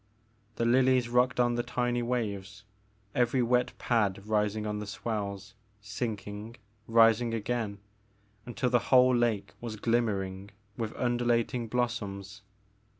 The lilies rocked on the tiny waves, every wet pad rising on the swells, sinking, rising again until the whole lake was glimmering with undulating blossoms.